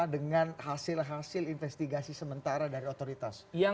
dengan hasil hasil investigasi sementara dari otoritas